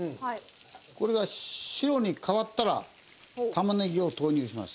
これが白に変わったら玉ねぎを投入します。